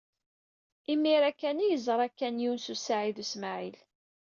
Imir-a kan ay yeẓra Ken Yunes u Saɛid u Smaɛil.